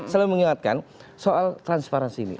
selalu mengingatkan soal transparansi ini